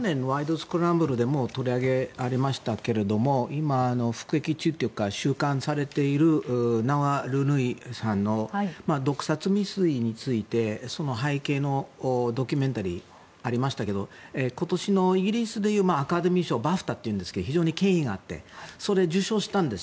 スクランブル」でも取り上げられましたけども今、服役中というか収監されているナワリヌイさんの毒殺未遂についてその背景のドキュメンタリーがありましたけど今年のイギリスでいうアカデミー賞があって非常に権威があってそれを受賞したんです。